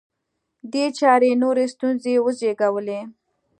دې چارې نورې ستونزې وزېږولې